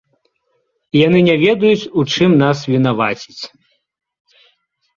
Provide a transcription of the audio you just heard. І яны не ведаюць, у чым нас вінаваціць.